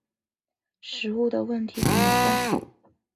食物的问题怎么办？